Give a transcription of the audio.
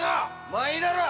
まぁいいだろう。